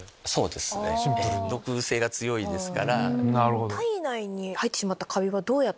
毒性が強いですから。